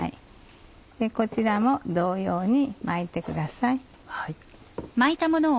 こちらも同様に巻いてください。